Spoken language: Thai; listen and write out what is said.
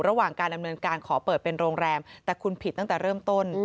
ระหว่างการดำเนินการขอเปิดเป็นโรงแรมแต่คุณผิดตั้งแต่เริ่มต้น